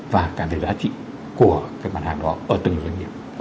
và cả về giá trị của các bản hàng đó ở từng doanh nghiệp